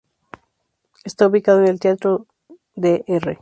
Está ubicada en el Teatro “Dr.